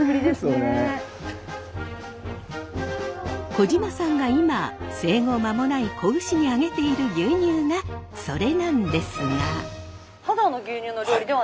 小島さんが今生後間もない子牛にあげている牛乳がそれなんですが。